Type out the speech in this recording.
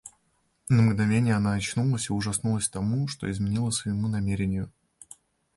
На мгновенье она очнулась и ужаснулась тому, что изменила своему намерению.